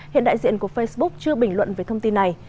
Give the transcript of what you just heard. hiện đại diện của facebook chưa bình luận về thông tin này